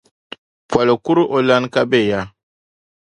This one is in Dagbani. Poli kuri o lana ka be ya?